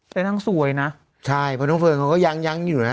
แต่นางสวยนะใช่เพราะน้องเฟิร์นเขาก็ยังยั้งอยู่นะ